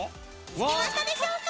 着きましたでしょうか？